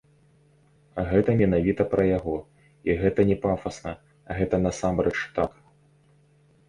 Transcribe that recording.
Гэта менавіта пра яго, і гэта не пафасна, гэта насамрэч так.